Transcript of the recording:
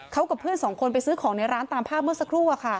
เขากับเพื่อนสองคนไปซื้อของในร้านตามภาพเมื่อสักครู่